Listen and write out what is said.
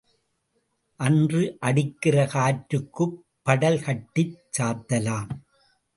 அன்று அடிக்கிற காற்றுக்குப் படல் கட்டிச் சாத்தலாம்.